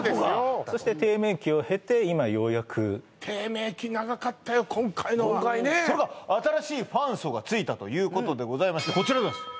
そして低迷期をへて今ようやく今回のは今回ねそれが新しいファン層がついたということでございましてこちらでございます